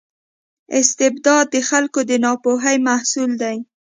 استبداد د خلکو د ناپوهۍ محصول دی.